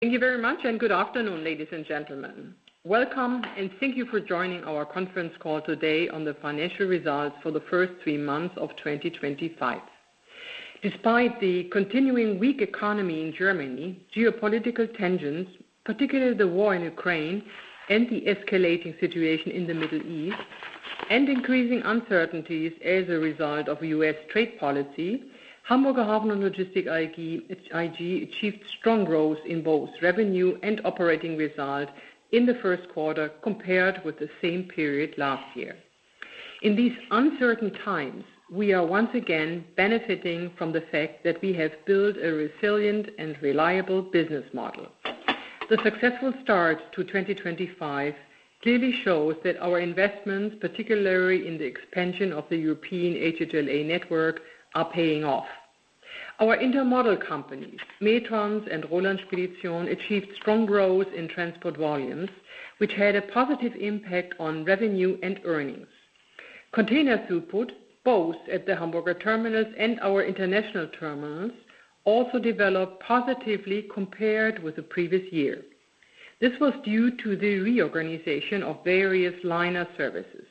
Thank you very much, and good afternoon, ladies and gentlemen. Welcome, and thank you for joining our conference call today on the financial results for the first three months of 2025. Despite the continuing weak economy in Germany, geopolitical tensions, particularly the war in Ukraine, and the escalating situation in the Middle East, and increasing uncertainties as a result of U.S. trade policy, Hamburger Hafen und Logistik AG achieved strong growth in both revenue and operating result in the first quarter compared with the same period last year. In these uncertain times, we are once again benefiting from the fact that we have built a resilient and reliable business model. The successful start to 2025 clearly shows that our investments, particularly in the expansion of the European HHLA network, are paying off. Our intermodal companies, METRANS and Roland Spedition, achieved strong growth in transport volumes, which had a positive impact on revenue and earnings. Container throughput, both at the Hamburg terminals and our international terminals, also developed positively compared with the previous year. This was due to the reorganization of various liner services,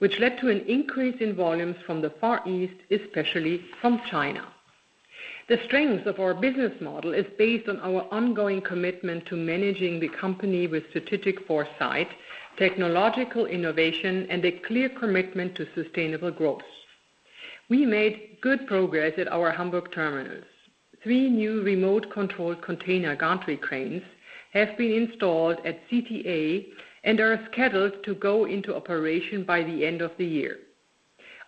which led to an increase in volumes from the Far East, especially from China. The strength of our business model is based on our ongoing commitment to managing the company with strategic foresight, technological innovation, and a clear commitment to sustainable growth. We made good progress at our Hamburg terminals. Three new remote-controlled container gantry cranes have been installed at CTA and are scheduled to go into operation by the end of the year.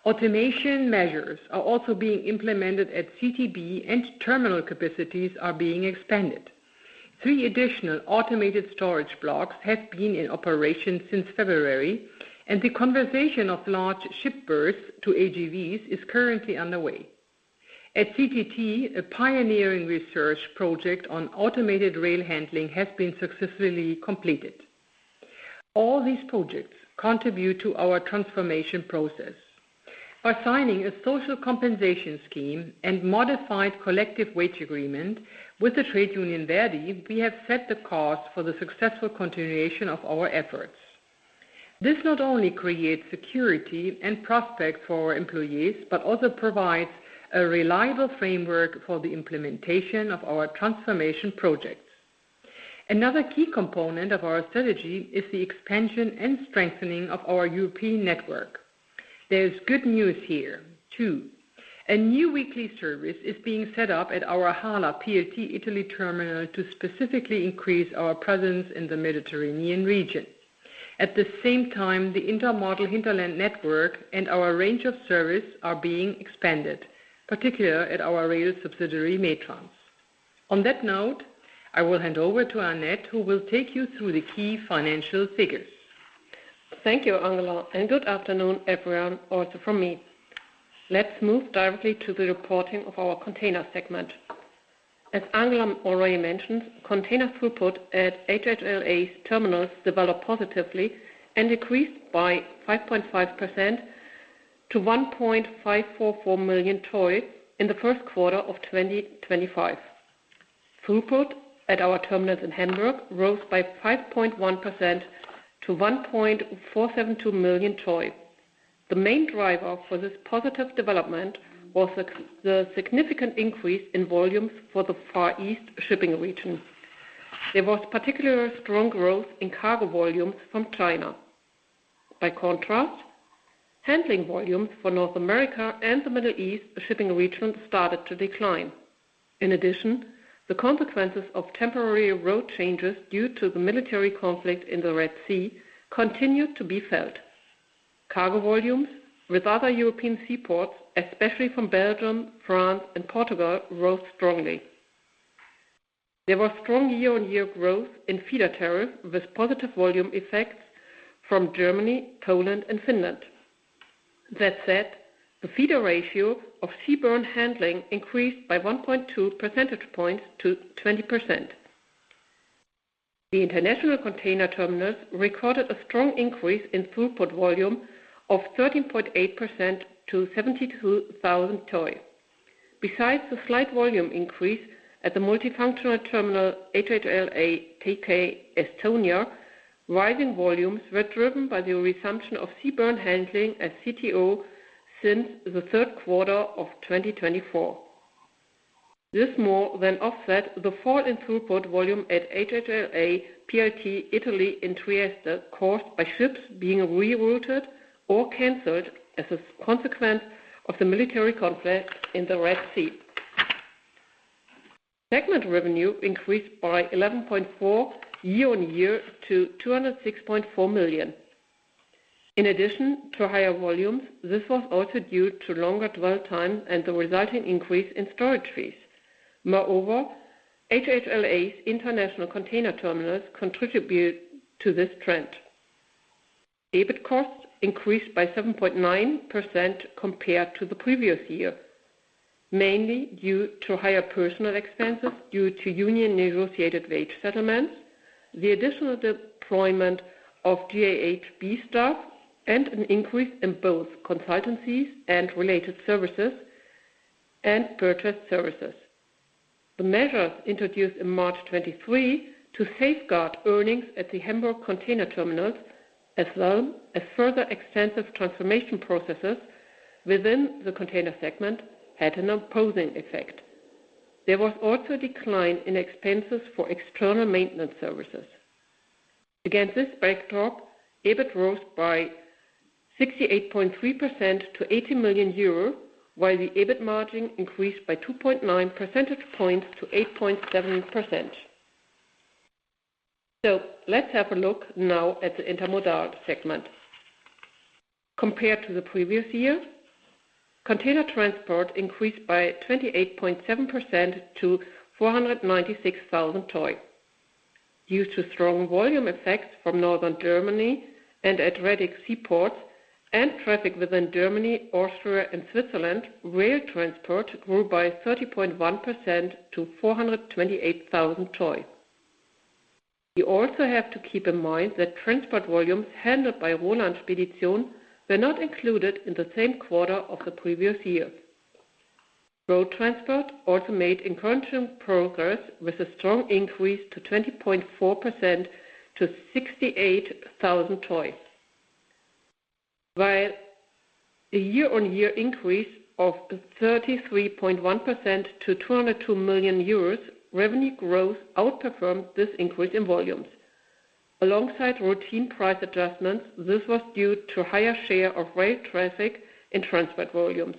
Automation measures are also being implemented at CTB, and terminal capacities are being expanded. Three additional automated storage blocks have been in operation since February, and the conversion of large ship berths to AGVs is currently underway. At CTT, a pioneering research project on automated rail handling has been successfully completed. All these projects contribute to our transformation process. By signing a social compensation scheme and modified collective wage agreement with the trade union ver.di, we have set the course for the successful continuation of our efforts. This not only creates security and prospects for our employees, but also provides a reliable framework for the implementation of our transformation projects. Another key component of our strategy is the expansion and strengthening of our European network. There is good news here, too. A new weekly service is being set up at our HHLA PLT Italy terminal to specifically increase our presence in the Mediterranean region. At the same time, the intermodal Hinterland network and our range of service are being expanded, particularly at our rail subsidiary METRANS. On that note, I will hand over to Annette, who will take you through the key financial figures. Thank you, Angela, and good afternoon, everyone, also from me. Let's move directly to the reporting of our container segment. As Angela already mentioned, container throughput at HHLA's terminals developed positively and decreased by 5.5% to 1.544 million TEU in the first quarter of 2025. Throughput at our terminals in Hamburg rose by 5.1% to 1.472 million TEU. The main driver for this positive development was the significant increase in volumes for the Far East shipping region. There was particularly strong growth in cargo volumes from China. By contrast, handling volumes for North America and the Middle East shipping region started to decline. In addition, the consequences of temporary route changes due to the military conflict in the Red Sea continued to be felt. Cargo volumes with other European seaports, especially from Belgium, France, and Portugal, rose strongly. There was strong year-on-year growth in feeder tariffs with positive volume effects from Germany, Poland, and Finland. That said, the feeder ratio of seaborne handling increased by 1.2 percentage points to 20%. The international container terminals recorded a strong increase in throughput volume of 13.8% to 72,000 TEU. Besides the slight volume increase at the multifunctional terminal HHLA TK Estonia, rising volumes were driven by the resumption of seaborne handling at CTO since the third quarter of 2024. This more than offset the fall in throughput volume at HHLA PLT Italy in Trieste caused by ships being rerouted or canceled as a consequence of the military conflict in the Red Sea. Segment revenue increased by 11.4% year-on-year to 206.4 million. In addition to higher volumes, this was also due to longer dwell time and the resulting increase in storage fees. Moreover, HHLA's international container terminals contributed to this trend. EBITDA costs increased by 7.9% compared to the previous year, mainly due to higher personnel expenses due to union-negotiated wage settlements, the additional deployment of GAHB staff, and an increase in both consultancies and related services and purchased services. The measures introduced in March 2023 to safeguard earnings at the Hamburg container terminals, as well as further extensive transformation processes within the container segment, had an opposing effect. There was also a decline in expenses for external maintenance services. Against this backdrop, EBITDA rose by 68.3% to 80 million euro, while the EBITDA margin increased by 2.9 percentage points to 8.7%. Let's have a look now at the intermodal segment. Compared to the previous year, container transport increased by 28.7% to 496,000 TEU. Due to strong volume effects from northern Germany and Adriatic seaports and traffic within Germany, Austria, and Switzerland, rail transport grew by 30.1% to 428,000 TEU. We also have to keep in mind that transport volumes handled by Roland Spedition were not included in the same quarter of the previous year. Road transport also made encouraging progress with a strong increase of 20.4% to 68,000 TEU. While a year-on-year increase of 33.1% to 202 million euros, revenue growth outperformed this increase in volumes. Alongside routine price adjustments, this was due to a higher share of rail traffic in transport volumes,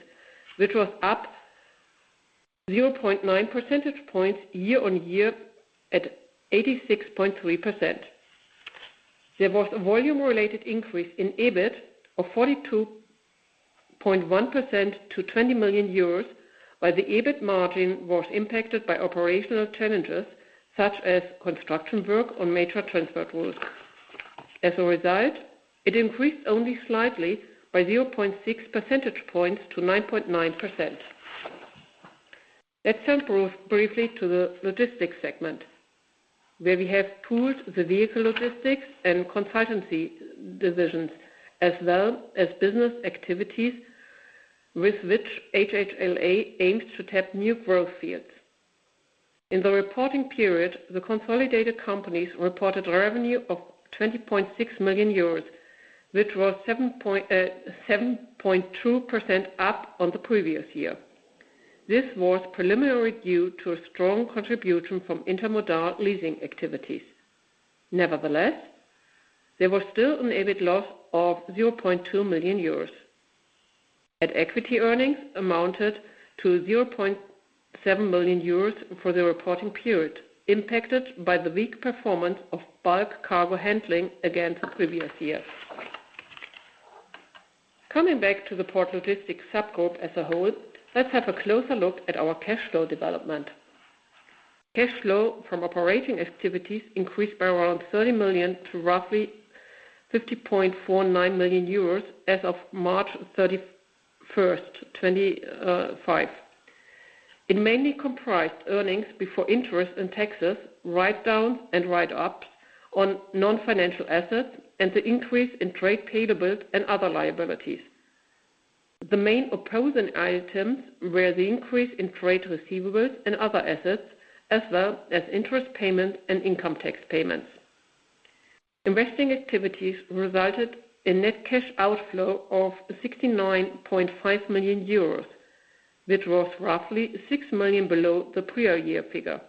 which was up 0.9 percentage points year-on-year at 86.3%. There was a volume-related increase in EBITDA of 42.1% to 20 million euros, while the EBITDA margin was impacted by operational challenges such as construction work on major transport routes. As a result, it increased only slightly by 0.6 percentage points to 9.9%. Let's turn briefly to the logistics segment, where we have pulled the vehicle logistics and consultancy divisions, as well as business activities with which HHLA aims to tap new growth fields. In the reporting period, the consolidated companies reported revenue of 20.6 million euros, which was 7.2% up on the previous year. This was preliminarily due to a strong contribution from intermodal leasing activities. Nevertheless, there was still an EBITDA loss of 0.2 million euros. Net equity earnings amounted to 0.7 million euros for the reporting period, impacted by the weak performance of bulk cargo handling against the previous year. Coming back to the port logistics subgroup as a whole, let's have a closer look at our cash flow development. Cash flow from operating activities increased by around 30 million to roughly 50.49 million euros as of March 31st, 2025. It mainly comprised earnings before interest and taxes, write-downs and write-ups on non-financial assets, and the increase in trade payables and other liabilities. The main opposing items were the increase in trade receivables and other assets, as well as interest payments and income tax payments. Investing activities resulted in net cash outflow of 69.5 million euros, which was roughly 6 million below the prior year figure.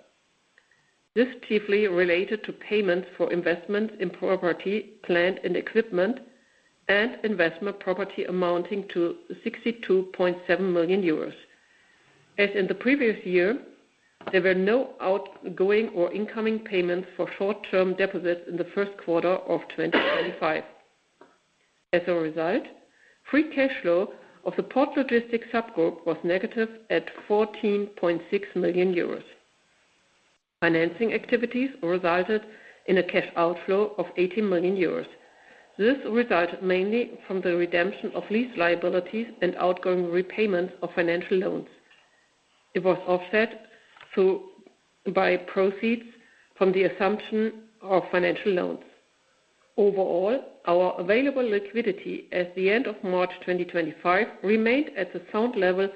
This chiefly related to payments for investments in property, land, and equipment, and investment property amounting to 62.7 million euros. As in the previous year, there were no outgoing or incoming payments for short-term deposits in the first quarter of 2025. As a result, free cash flow of the port logistics subgroup was negative at 14.6 million euros. Financing activities resulted in a cash outflow of 80 million euros. This resulted mainly from the redemption of lease liabilities and outgoing repayments of financial loans. It was offset by proceeds from the assumption of financial loans. Overall, our available liquidity at the end of March 2025 remained at the sound level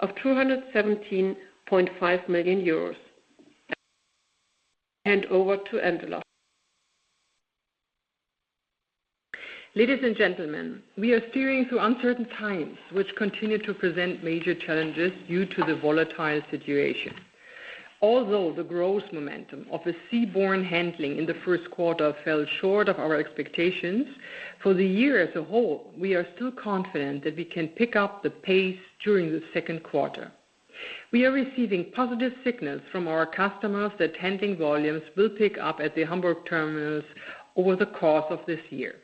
of 217.5 million euros. Hand over to Angela. Ladies and gentlemen, we are steering through uncertain times, which continue to present major challenges due to the volatile situation. Although the growth momentum of the seaborne handling in the first quarter fell short of our expectations, for the year as a whole, we are still confident that we can pick up the pace during the second quarter. We are receiving positive signals from our customers that handling volumes will pick up at the Hamburg terminals over the course of this year.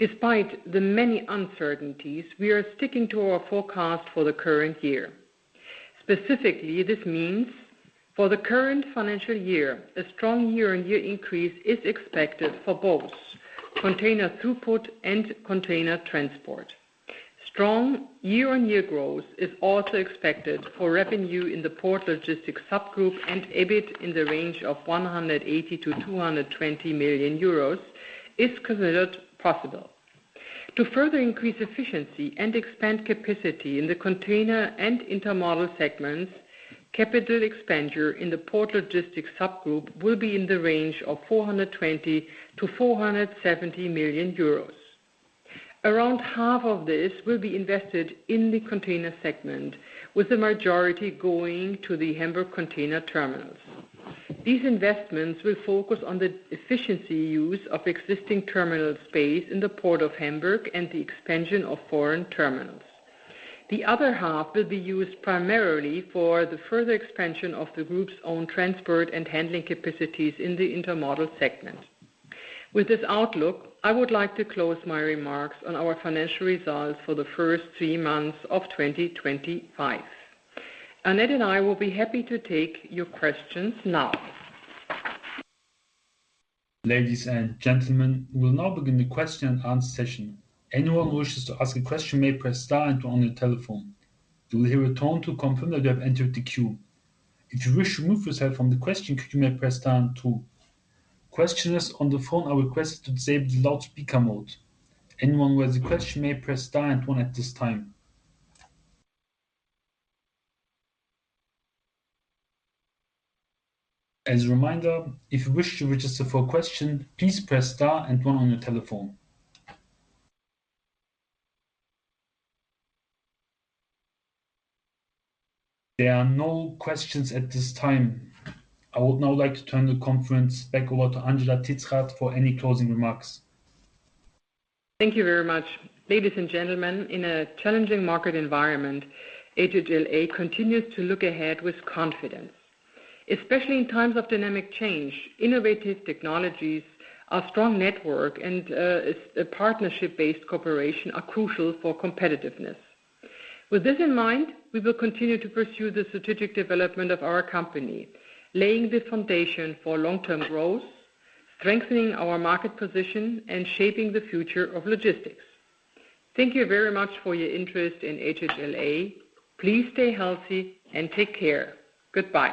Despite the many uncertainties, we are sticking to our forecast for the current year. Specifically, this means for the current financial year, a strong year-on-year increase is expected for both container throughput and container transport. Strong year-on-year growth is also expected for revenue in the port logistics subgroup and EBITDA in the range of 180 million-220 million euros is considered possible. To further increase efficiency and expand capacity in the container and intermodal segments, capital expenditure in the port logistics subgroup will be in the range of 420 million-470 million euros. Around half of this will be invested in the container segment, with the majority going to the Hamburg container terminals. These investments will focus on the efficient use of existing terminal space in the Port of Hamburg and the expansion of foreign terminals. The other half will be used primarily for the further expansion of the group's own transport and handling capacities in the intermodal segment. With this outlook, I would like to close my remarks on our financial results for the first three months of 2025. Annette and I will be happy to take your questions now. Ladies and gentlemen, we will now begin the question-and-answer session. Anyone who wishes to ask a question may press star and one on their telephone. You will hear a tone to confirm that you have entered the queue. If you wish to move yourself from the question queue, you may press star and two. Questioners on the phone are requested to disable the loudspeaker mode. Anyone who has a question may press star and one at this time. As a reminder, if you wish to register for a question, please press star and one on your telephone. There are no questions at this time. I would now like to turn the conference back over to Angela Titzrath for any closing remarks. Thank you very much. Ladies and gentlemen, in a challenging market environment, HHLA continues to look ahead with confidence. Especially in times of dynamic change, innovative technologies, a strong network, and a partnership-based cooperation are crucial for competitiveness. With this in mind, we will continue to pursue the strategic development of our company, laying the foundation for long-term growth, strengthening our market position, and shaping the future of logistics. Thank you very much for your interest in HHLA. Please stay healthy and take care. Goodbye.